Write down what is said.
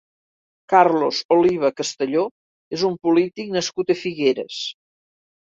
Carlos Oliva Castelló és un polític nascut a Figueres.